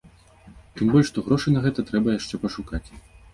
Тым больш, што грошы на гэта трэба яшчэ пашукаць.